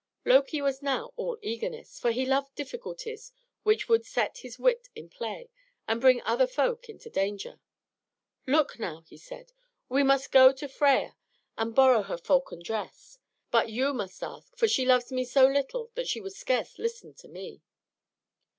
Loki was now all eagerness, for he loved difficulties which would set his wit in play and bring other folk into danger. "Look, now," he said. "We must go to Freia and borrow her falcon dress. But you must ask; for she loves me so little that she would scarce listen to me."